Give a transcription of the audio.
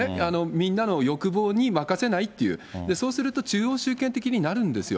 みんなの欲望に任せないっていう、そうすると中央集権的になるんですよ。